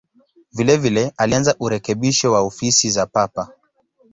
Vilevile alianza urekebisho wa ofisi za Papa.